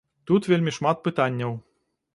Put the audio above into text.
Тут вельмі шмат пытанняў.